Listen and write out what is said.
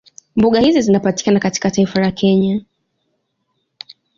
Mbuga hizi zinapatikana katika taifa la Kenya